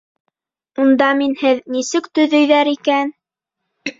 — Унда минһеҙ нисек төҙөйҙәр икән?